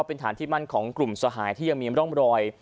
เป็นฐานที่มั่นของกลุ่มสหายที่ยังมีร่องรอย